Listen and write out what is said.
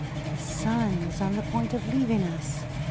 The sun was on the point of leaving us.